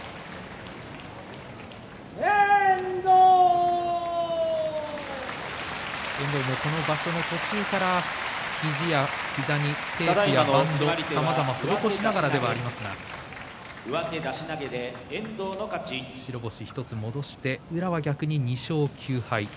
遠藤も、この場所の途中から肘や膝にテープやバンドさまざま施しながらではありますが白星を１つ戻して宇良は逆に２勝９敗。